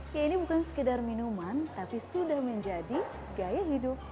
ya ini bukan sekedar minuman tapi sudah menjadi gaya hidup